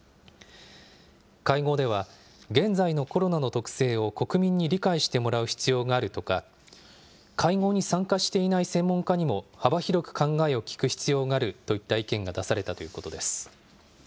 会合では、現在のコロナの特性を国民に理解してもらう必要があるとか、会合に参加していない専門家にも、幅広く考えを聞く必要があるといった意見が出されたということです。